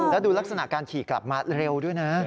แล้วดูลักษณะการขี่กลับมาเร็วด้วยนะ